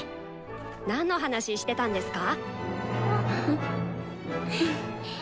なんの話してたんですか？